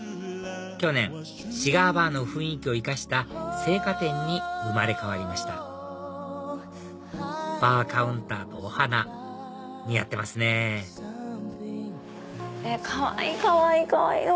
去年シガーバーの雰囲気を生かした生花店に生まれ変わりましたバーカウンターとお花似合ってますねかわいいかわいいかわいい！